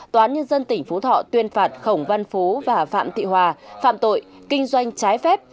tòa án nhân dân tỉnh phú thọ tuyên phạt khổng văn phú và phạm thị hòa phạm tội kinh doanh trái phép